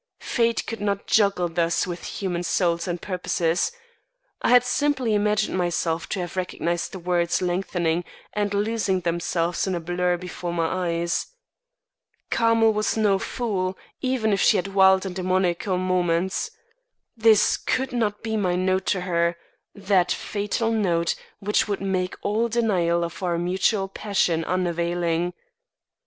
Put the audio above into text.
Fate could not juggle thus with human souls and purposes. I had simply imagined myself to have recognised the words lengthening and losing themselves in a blur before my eyes. Carmel was no fool even if she had wild and demoniacal moments. This could not be my note to her, that fatal note which would make all denial of our mutual passion unavailing.